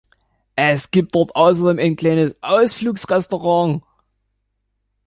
Es gibt dort außerdem ein kleines Ausflugsrestaurant.